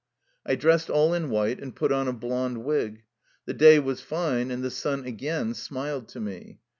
I dressed all in white, and put on a blond wig. The day was fine, and the sun again smiled to me.